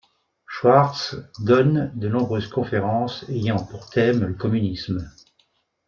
Schwarz donne de nombreuses conférences ayant pour thème le communisme.